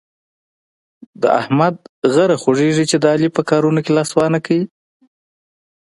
د احمد غره خوږېږي چې د علي په کارو کې لاسوهنه کوي.